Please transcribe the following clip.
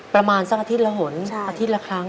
ประมาณสักอาทิตย์ละหนอาทิตย์ละครั้ง